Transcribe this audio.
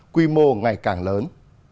quy mô ngày càng lớn